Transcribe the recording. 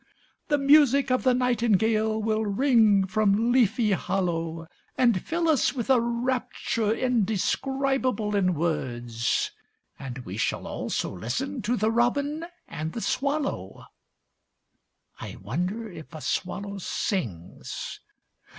The music of the nightingale will ring from leafy hollow, And fill us with a rapture indescribable in words; And we shall also listen to the robin and the swallow (I wonder if a swallow sings?)